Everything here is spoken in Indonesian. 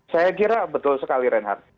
saya kira betul sekali reinhardt